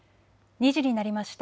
２時になりました。